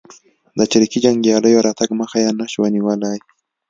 د چریکي جنګیالیو راتګ مخه یې نه شوه نیولای.